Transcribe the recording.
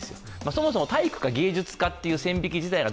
そもそも体育か芸術かという線引き自体が